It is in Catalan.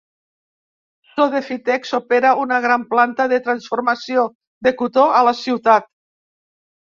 Sodefitex opera una gran planta de transformació de cotó a la ciutat.